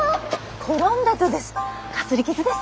転んだとです。